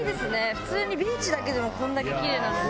普通にビーチだけでもこんだけキレイなのに。